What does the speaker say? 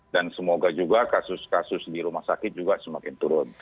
dan semoga juga kasus kasus di rumah sakit juga semakin turun